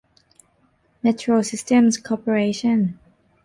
เมโทรซิสเต็มส์คอร์ปอเรชั่น